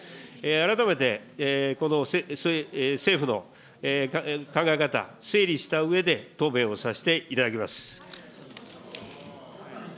改めてこの政府の考え方、整理したうえで答弁をさせていただきます。